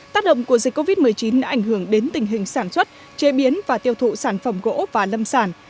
tác động của dịch covid một mươi chín đã ảnh hưởng đến tình hình sản xuất chế biến và tiêu thụ sản phẩm gỗ và lâm sản